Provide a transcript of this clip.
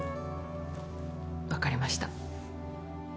わかりました。